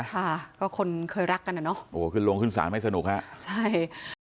ค่ะก็คนเคยรักกันอ่ะเนอะโอ้โหขึ้นลงขึ้นศาลไม่สนุกฮะใช่